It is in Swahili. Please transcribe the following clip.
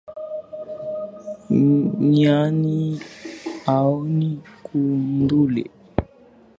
Nyani haoni kundule